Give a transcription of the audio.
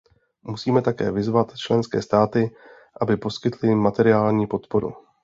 Musíme také vyzvat členské státy, aby poskytly materiální podporu.